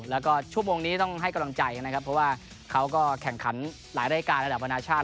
แล้วก็ชั่วโมงนี้ต้องให้กำลังใจนะครับเพราะว่าเขาก็แข่งขันหลายรายการระดับประนาชาติ